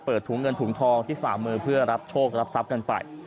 ถุงเงินถุงทองที่ฝ่ามือเพื่อรับโชครับทรัพย์กันไป